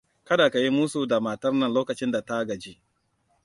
Kada ka yi musu da matar nan lokacin da ta gaji.